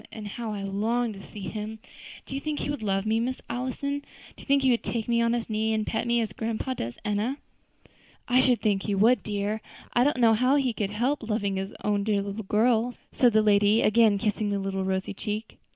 how I long to see him! Do you think he would love me, Miss Allison? Do you think he would take me on his knee and pet me, as grandpa does Enna?" "I should think he would, dear; I don't know how he could help loving his own dear little girl," said the lady, again kissing the little rosy cheek.